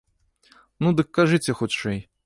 Ну, дык кажыце хутчэй.